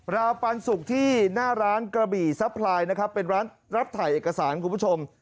ราวปันสุกที่หน้าร้านกระบี่ซัพพลายนะครับเป็นร้านรับถ่ายเอกสารคุณผู้ชม